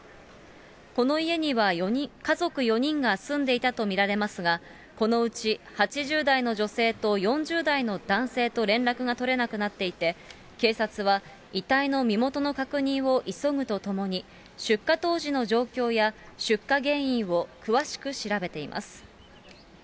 この家には家族４人が住んでいたと見られますが、このうち８０代の女性と４０代の男性と連絡が取れなくなっていて、警察は遺体の身元の確認を急ぐとともに、出火当時の状況や、出火原因を詳しく調べています。